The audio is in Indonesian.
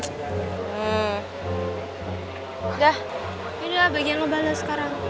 udah yaudah bagi yang ngebales sekarang